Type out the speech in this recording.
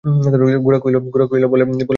গোরা কহিল, বলেন কী বাবা?